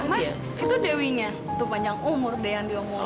mas itu dewinya itu panjang umur deh yang diomongin